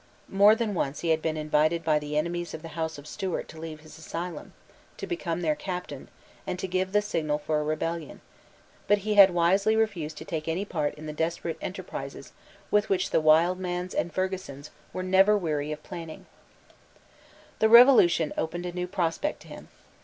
More than once he had been invited by the enemies of the House of Stuart to leave his asylum, to become their captain, and to give the signal for rebellion: but he had wisely refused to take any part in the desperate enterprises which the Wildmans and Fergusons were never weary of planning, The Revolution opened a new prospect to him.